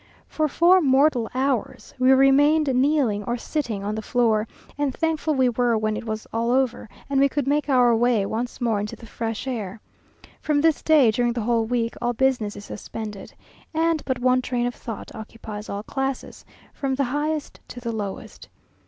For four mortal hours, we remained kneeling or sitting on the floor, and thankful we were when it was all over, and we could make our way once more into the fresh air. From this day, during the whole week, all business is suspended, and but one train of thought occupies all classes, from the highest to the lowest.